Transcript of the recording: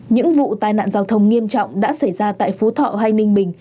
những vụ tai nạn giao thông nghiêm trọng đã xảy ra tại phú thọ hay ninh bình